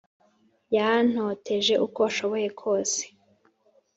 yantoteje uko ashoboye kwose